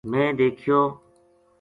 میں دیکھیو